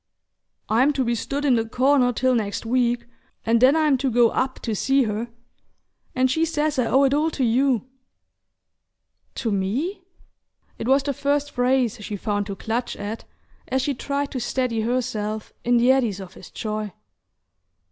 "I'm to be stood in the corner till next week, and then I'm to go up to see her. And she says I owe it all to you!" "To me?" It was the first phrase she found to clutch at as she tried to steady herself in the eddies of his joy.